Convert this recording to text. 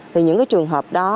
thì những trường hợp đó